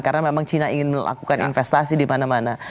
karena memang china ingin melakukan investasi di mana mana